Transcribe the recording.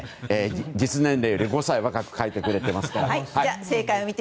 実年齢より５歳若く書いてくれています。